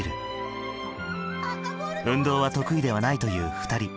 運動は得意ではないという２人。